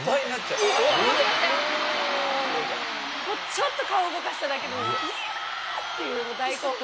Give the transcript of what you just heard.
ちょっと顔動かしただけで「ギャ！」っていう大興奮。